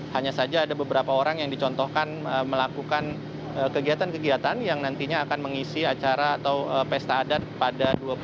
hanya saja ada beberapa orang yang dicontohkan melakukan kegiatan kegiatan yang nantinya akan mengisi acara atau pesta adat pada dua puluh